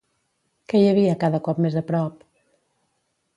Què hi havia cada cop més a prop?